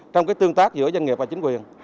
trong cái tương tác giữa dân nghiệp và chính quyền